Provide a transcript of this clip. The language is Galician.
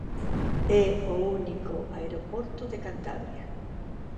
É o único aeroporto de Cantabria.